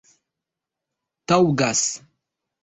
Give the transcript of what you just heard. taŭgas